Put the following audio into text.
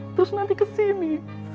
terus nanti kesini